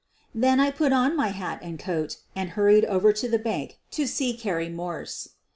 Then I put on my hat and coat and hurried over to the bank to see Carrie Morse.